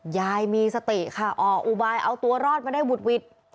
ยายมีสติค่ะออกอุบายเอาตัวรอดมาได้หุดหวิด